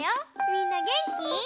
みんなげんき？